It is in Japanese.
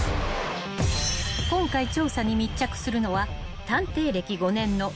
［今回調査に密着するのは］